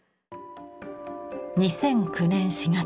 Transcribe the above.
２００９年４月。